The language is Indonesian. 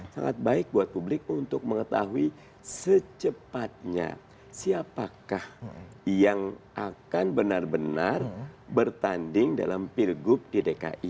sangat baik buat publik untuk mengetahui secepatnya siapakah yang akan benar benar bertanding dalam pilgub di dki